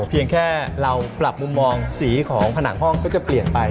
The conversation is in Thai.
เพียงแค่เราปรับมุมมองสีของผนังห้องก็จะเปลี่ยนไป